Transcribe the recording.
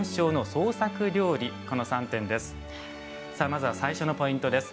まずは、最初のポイントです。